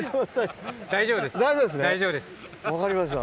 大丈夫です。